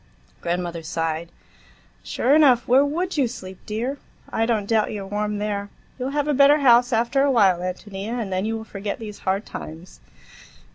Grandmother sighed. "Sure enough, where would you sleep, dear! I don't doubt you're warm there. You'll have a better house after while, Ántonia, and then you'll forget these hard times."